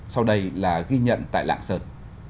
sau đây là ghi nhận tại lạng sợn